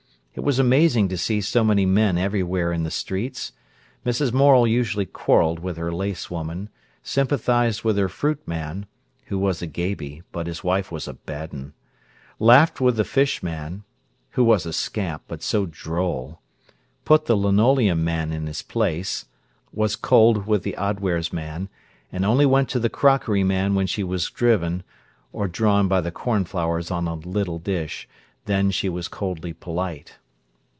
It was amazing to see so many men everywhere in the streets. Mrs. Morel usually quarrelled with her lace woman, sympathised with her fruit man—who was a gabey, but his wife was a bad un—laughed with the fish man—who was a scamp but so droll—put the linoleum man in his place, was cold with the odd wares man, and only went to the crockery man when she was driven—or drawn by the cornflowers on a little dish; then she was coldly polite.